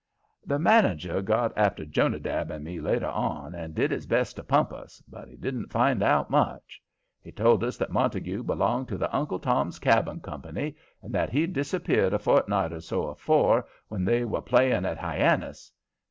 The manager got after Jonadab and me later on, and did his best to pump us, but he didn't find out much. He told us that Montague belonged to the Uncle Tom's Cabin Company, and that he'd disappeared a fortni't or so afore, when they were playing at Hyannis.